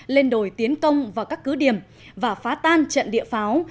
lên đồi tiến công vào các cứ điểm và phá tan trận địa pháo